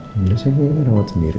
kalau sakit dirawat sendiri